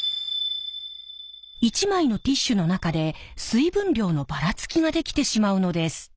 １枚のティッシュの中で水分量のバラつきができてしまうのです。